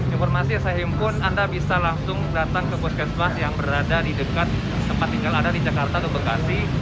informasi yang saya himpun anda bisa langsung datang ke puskesmas yang berada di dekat tempat tinggal anda di jakarta atau bekasi